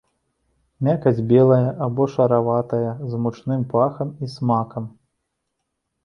Мякаць белая або шараватая з мучным пахам і смакам.